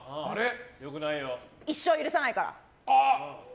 一生許さないから！